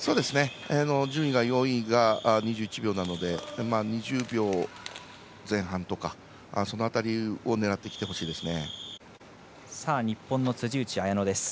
１組４位が２１秒なので２０秒前半とか、その辺りを狙ってきてほしいですね。